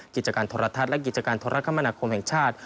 กิจการโทรทัศน์และกิจการโทรคมนาคมแห่งชาติ